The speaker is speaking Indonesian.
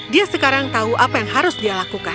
dia sekarang tahu apa yang harus dia lakukan